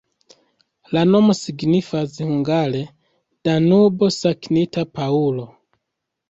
La nomo signifas hungare Danubo-Sankta Paŭlo.